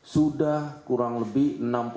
sudah kurang lebih enam puluh enam saksi yang kita periksa